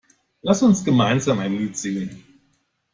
Lasst uns gemeinsam ein Lied singen!